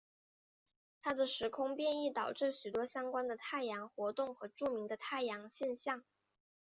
他的时空变异导致许多相关的太阳活动和著名的太阳现象。